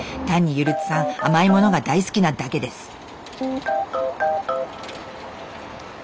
単にゆるつさん甘いものが大好きなだけです。